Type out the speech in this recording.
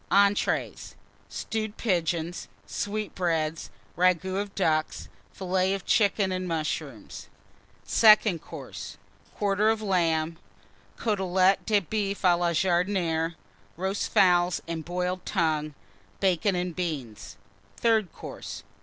ENTREES. Stewed Pigeons. Sweetbreads. Ragoût of Ducks. Fillets of Chickens and Mushrooms. SECOND COURSE. Quarter of Lamb. Cotelette de Boeuf à la Jardinière. Roast Fowls and Boiled Tongue. Bacon and Beans. THIRD COURSE.